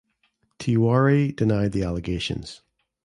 Tiwari denied the allegations.